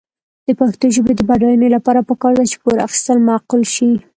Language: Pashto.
د پښتو ژبې د بډاینې لپاره پکار ده چې پور اخیستل معقول شي.